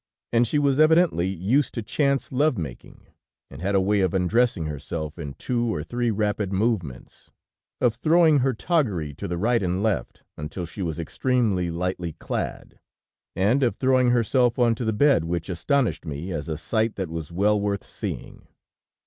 And she was evidently used to chance love making, and had a way of undressing herself in two or three rapid movements, of throwing her toggery to the right and left, until she was extremely lightly clad, and of throwing herself onto the bed which astonished me as a sight that was well worth seeing.